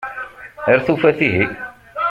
Ar tufat ihi.